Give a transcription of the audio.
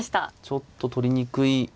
ちょっと取りにくい。